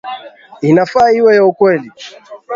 Inafaa iwe ya ukweli